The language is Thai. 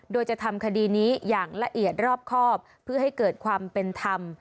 โดยจะทำคดีนี้อย่างละเอียดรอบครอบเพื่อให้เกิดความเป็นธรรม